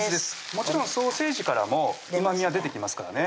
もちろんソーセージからもうまみは出てきますからね